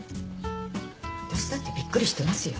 私だってびっくりしてますよ。